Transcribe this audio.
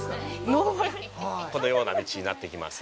このような道になってきます。